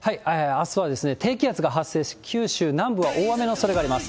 あすは低気圧が発生し、九州南部は大雨のおそれがあります。